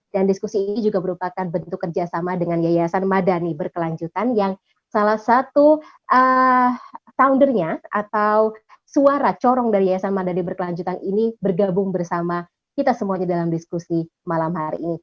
dan diskusi ini juga merupakan bentuk kerjasama dengan yayasan madani berkelanjutan yang salah satu soundernya atau suara corong dari yayasan madani berkelanjutan ini bergabung bersama kita semuanya dalam diskusi malam hari ini